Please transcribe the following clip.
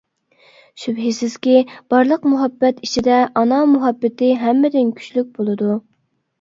شۈبھىسىزكى، بارلىق مۇھەببەت ئىچىدە ئانا مۇھەببىتى ھەممىدىن كۈچلۈك بولىدۇ.